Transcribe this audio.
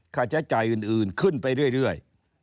ค่าใช้จ่ายอื่นขึ้นไปเรื่อย